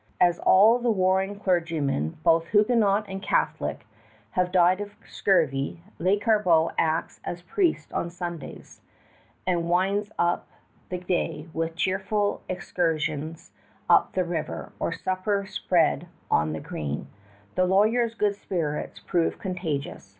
As all the warring clergymen, both Huguenot and Catholic, have died of scurvy, Lescarbot acts as priest on Sundays, and winds up the day with cheerful excursions up the river, or supper spread on the green. The lawyer's good spirits proved contagious.